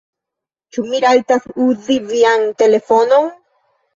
Ĉu mi rajtas uzi vian telefonon?